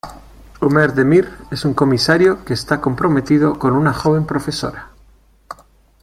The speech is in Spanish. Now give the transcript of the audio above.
Ömer Demir es un comisario que está comprometido con una joven profesora.